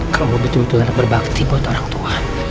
kamu betul betul berbakti buat orang tua